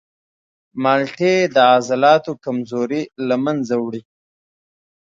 مالټې د عضلاتو کمزوري له منځه وړي.